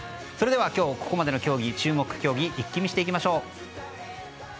それではここまでの注目競技を一気見していきましょう。